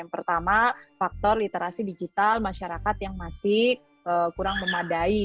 pertama faktor literasi digital masyarakat yang masih kurang memadai